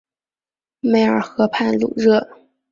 迈尔河畔卢热。